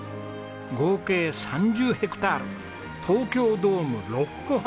合計３０ヘクタール東京ドーム６個半！